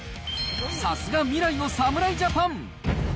さすが未来の侍ジャパン。